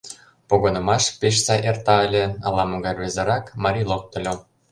Погынымаш пеш сай эрта ыле — ала-могай рвезырак марий локтыльо.